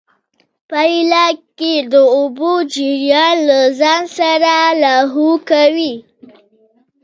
پايله کې د اوبو جريان له ځان سره لاهو کوي.